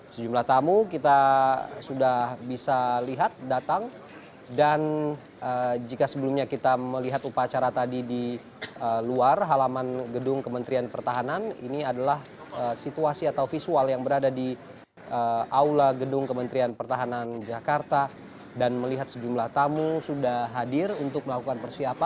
sejumlah tamu kita sudah bisa lihat datang dan jika sebelumnya kita melihat upacara tadi di luar halaman gedung kementerian pertahanan ini adalah situasi atau visual yang berada di aula gedung kementerian pertahanan jakarta dan melihat sejumlah tamu sudah hadir untuk melakukan persiapan